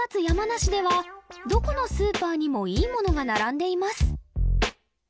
山梨ではどこのスーパーにもいいものが並んでいます